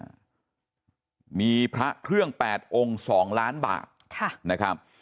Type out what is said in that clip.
อ่ามีพระเครื่องแปดองค์สองล้านบาทค่ะนะครับ